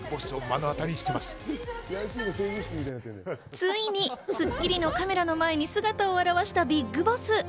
ついに『スッキリ』のカメラの前に姿を現したＢＩＧＢＯＳＳ。